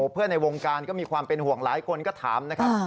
ในวงการก็มีความเป็นห่วงหลายคนก็ถามนะครับ